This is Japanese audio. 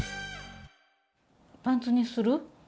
パンツにする？